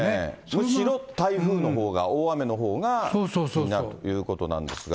むしろ台風のほうが、大雨のほうが気になるということなんですが。